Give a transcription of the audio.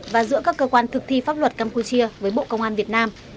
và giữa các cơ quan thực thi pháp luật campuchia với bộ công an việt nam